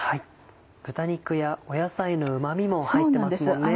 豚肉や野菜のうま味も入ってますもんね。